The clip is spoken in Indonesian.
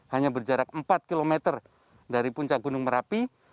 hanya berjarak empat km dari puncak gunung merapi